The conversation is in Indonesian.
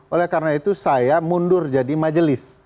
oleh karena itu saya mundur jadi majelis